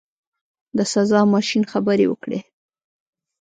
د سزا ماشین خبرې وکړې.